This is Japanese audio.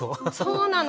そうなの。